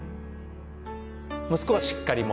息子はしっかり者。